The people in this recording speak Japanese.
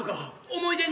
思い出に？